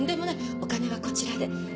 お金はこちらで。